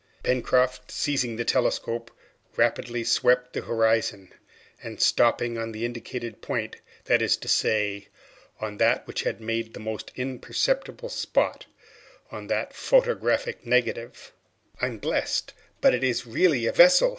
Pencroft, seizing the telescope, rapidly swept the horizon, and stopping on the indicated point, that is to say, on that which had made the almost imperceptible spot on the photographic negative, "I'm blessed but it is really a vessel!"